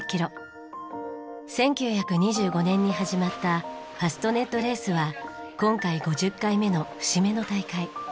１９２５年に始まったファストネットレースは今回５０回目の節目の大会。